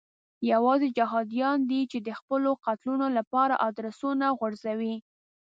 یوازې جهادیان دي چې د خپلو قتلونو لپاره ادرسونه غورځوي.